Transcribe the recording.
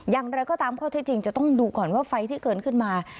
อย่างไรก็ตามข้อเท็จจริงจะต้องดูก่อนว่าไฟที่เกินขึ้นมา